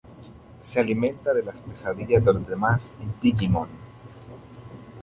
Se alimenta de las pesadillas de los demás Digimon.